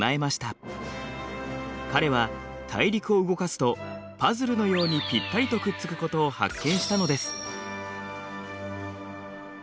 彼は大陸を動かすとパズルのようにぴったりとくっつくことを発見したのです。